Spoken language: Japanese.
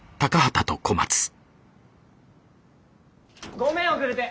ごめん遅れて。